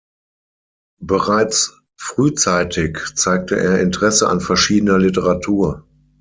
Bereits frühzeitig zeigte er Interesse an verschiedener Literatur.